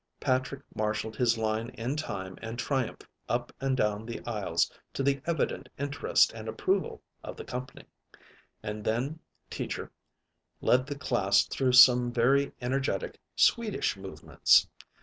Patrick marshaled his line in time and triumph up and down the aisles to the evident interest and approval of the "comp'ny," and then Teacher led the class through some very energetic Swedish movements.